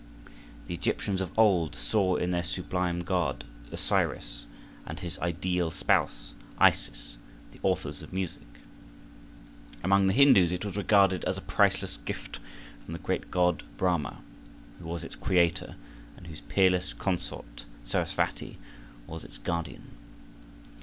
The Egyptians of old saw in their sublime god, Osiris, and his ideal spouse, Isis, the authors of music. Among the Hindus it was regarded as a priceless gift from the great god Brahma, who was its creator and whose peerless consort, Sarasvati, was its guardian.